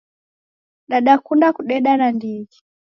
Dadakunda kudeda na ndighi